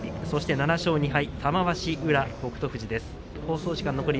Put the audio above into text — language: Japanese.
７勝２敗は玉鷲、宇良北勝富士です。